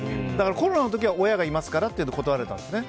コロナの時は親がいますからって断れたんですね。